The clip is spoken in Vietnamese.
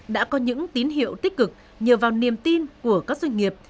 đã có những tín hiệu tích cực nhờ vào niềm tin của các doanh nghiệp